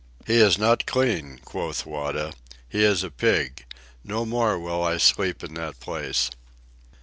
"He is not clean," quoth Wada. "He is a pig. No more will I sleep in that place."